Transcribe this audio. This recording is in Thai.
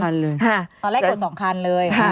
ตอนแรกกด๒คันเลย